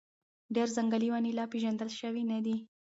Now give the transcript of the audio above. ډېر ځنګلي ونې لا پېژندل شوي نه دي.